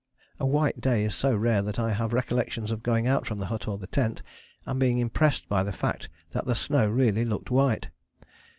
A White Day is so rare that I have recollections of going out from the hut or the tent and being impressed by the fact that the snow really looked white.